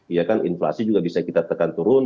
iya kan inflasi juga bisa kita tekan turun